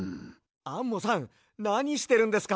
アンモさんなにしてるんですか？